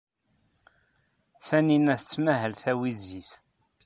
Taninna tettmahal d tawizit.